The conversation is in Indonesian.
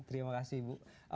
terima kasih bu